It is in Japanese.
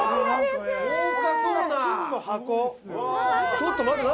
ちょっと待って何？